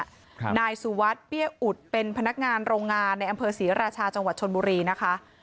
ครับนายสุวัสดิเบี้ยอุดเป็นพนักงานโรงงานในอำเภอศรีราชาจังหวัดชนบุรีนะคะ